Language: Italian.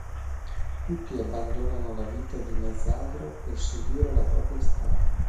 Tutti abbandonano la vita di mezzadro per seguire la propria strada.